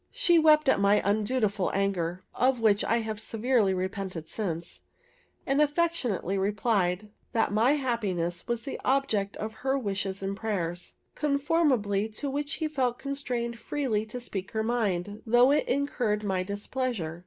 She wept at my undutiful anger, (of which I have severely repented since,) and affectionately replied, that my happiness was the object of her wishes and prayers; conformably to which she felt constrained freely to speak her mind, though it incurred my displeasure.